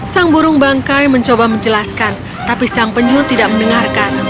sang burung bangkai mencoba menjelaskan tapi sang penyu tidak mendengarkan